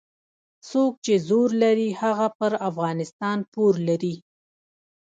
څوک چې زور لري هغه پر افغانستان پور لري.